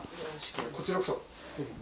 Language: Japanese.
こちらこそ。